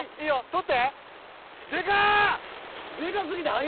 取って。